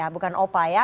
bukan opa ya